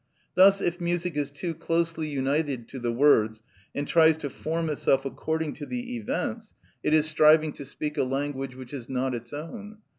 Thus, if music is too closely united to the words, and tries to form itself according to the events, it is striving to speak a language which is not its own.